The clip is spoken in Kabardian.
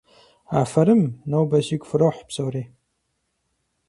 Афэрым! Нобэ сигу фрохь псори!